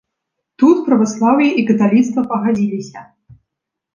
Тут праваслаўе і каталіцтва пагадзіліся.